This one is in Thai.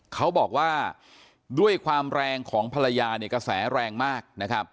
เขาบอกว่าด้วยความแรงของภรรยากระแสแรงมาก